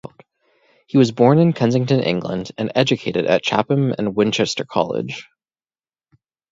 He was born in Kensington, England, and educated at Chapham and Winchester College.